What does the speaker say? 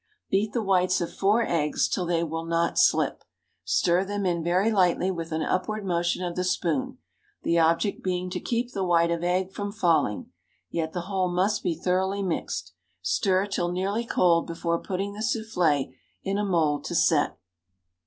Beat the whites of four eggs till they will not slip; stir them in very lightly with an upward motion of the spoon, the object being to keep the white of egg from falling, yet the whole must be thoroughly mixed. Stir till nearly cold before putting the soufflé in a mould to set.